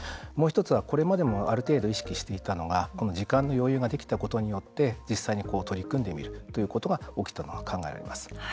これまでもある程度意識していたのが時間に余裕ができたことによって実際に取り組んでみるということが起きたと考えられます。